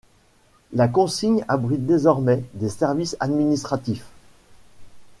La consigne abrite désormais des services administratifs.